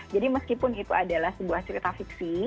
jadi meskipun itu adalah sebuah cerita fiksi